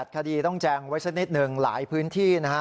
คดีต้องแจงไว้สักนิดหนึ่งหลายพื้นที่นะฮะ